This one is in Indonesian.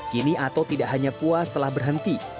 kini ato tidak hanya puas telah berhenti